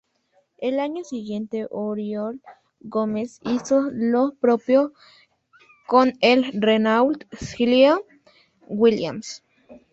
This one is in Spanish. Al año siguiente Oriol Gómez hizo lo propio con el Renault Clio Williams.